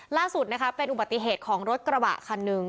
ล่าสุดนะคะเป็นอุบัติเหตุของรถกระบะคันหนึ่ง